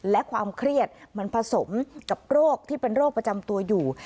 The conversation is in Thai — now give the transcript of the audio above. และความเครียดมันผสมกับโรคที่เป็นโรคประจำตัวอยู่